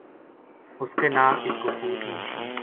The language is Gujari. اس کے نال اس کا پُوت منشی